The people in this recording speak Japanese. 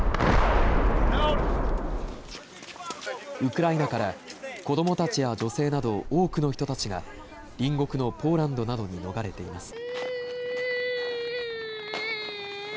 ウクライナから子どもたちや女性など、多くの人たちが隣国のポーランドなどに逃れています。